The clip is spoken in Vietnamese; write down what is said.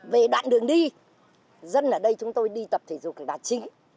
về đoạn đường đi dân ở đây chúng tôi đi tập thể dục là chính